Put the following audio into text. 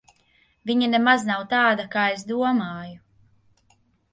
Viņa nemaz nav tāda, kā es domāju.